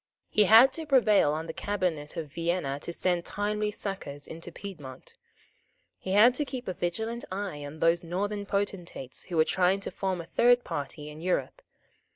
He had to prevail on the Cabinet of Vienna to send timely succours into Piedmont. He had to keep a vigilant eye on those Northern potentates who were trying to form a third party in Europe.